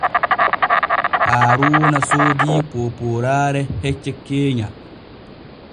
Haaruuna soodii poopooraare hecce keenya.